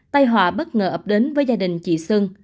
tai họa bất ngờ ập đến với gia đình chị sơn